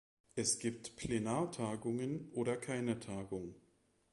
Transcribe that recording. Es gibt Plenartagungen oder keine Tagung.